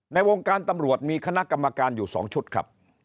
ในวงการตำรวจมีคณะกรรมการอยู่๒ชุดครับ